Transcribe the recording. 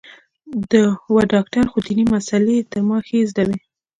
و ډاکتر خو ديني مسالې يې تر ما ښې زده وې.